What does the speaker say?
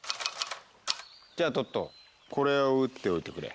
じゃあトットこれを打っておいてくれ。